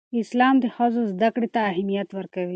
اسلام د ښځو زدهکړې ته اهمیت ورکوي.